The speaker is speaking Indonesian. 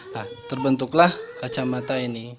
nah terbentuklah kacamata ini